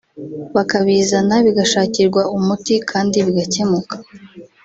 bakabizana bigashakirwa umuti kandi bigakemuka